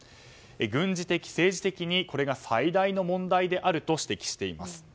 軍事的、政治的にこれが最大の問題であると指摘しています。